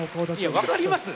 いや分かります？